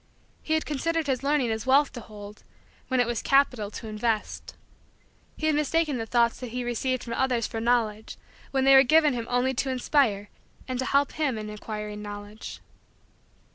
He had considered his learning as wealth to hold when it was capital to invest. He had mistaken the thoughts that he received from others for Knowledge when they were given him only to inspire and to help him in acquiring Knowledge.